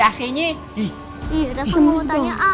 ih udah pengen mau tanya ah